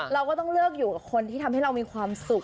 เราก็ต้องเลือกอยู่กับคนที่ทำให้เรามีความสุข